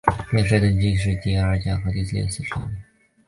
殿试登进士第二甲第六十四名。